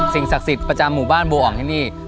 ศักดิ์สิทธิ์ประจำหมู่บ้านบัวอ่องที่นี่